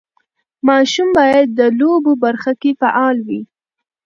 ماشوم باید د لوبو برخه کې فعال وي.